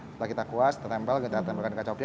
setelah kita kuas kita tempel kita tempelkan di kaca objek